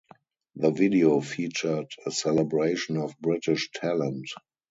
The video featured a celebration of British talent.